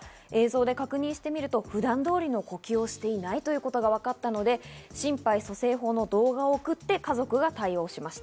映像で確認してみると、普段通りの呼吸をしていないということがわかったので、心肺蘇生法の動画を送って家族が対応しました。